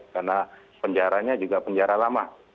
karena penjaranya juga penjara lama